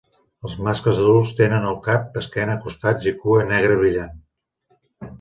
Els mascles adults tenen el cap, esquena, costats i cua negra brillant.